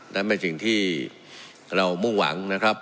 นั้นเป็นสิ่งที่เรามุ่งหวังนะครับ